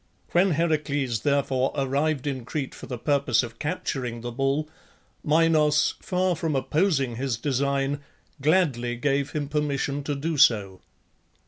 When Heracles, therefore, arrived in Crete for the purpose of capturing the bull, Minos, far from opposing his design, gladly gave him permission to do so.